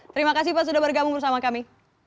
terima kasih pak sudah bergabung bersama kami